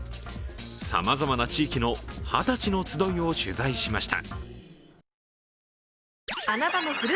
さまざまな地域のはたちのつどいを取材しました。